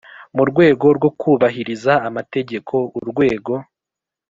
Mu rwego rwo kubahiriza amategeko Urwego